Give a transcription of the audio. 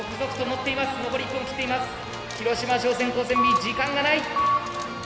広島商船高専Ｂ時間がない。